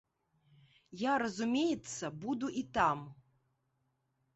Я, разумеецца, буду і там.